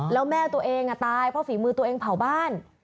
แล้วแม่ตัวเองตายเพราะฝีมือตัวเองเผาบ้าน